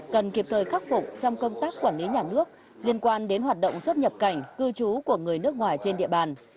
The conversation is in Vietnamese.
cần kịp thời khắc phục trong công tác quản lý nhà nước liên quan đến hoạt động xuất nhập cảnh cư trú của người nước ngoài trên địa bàn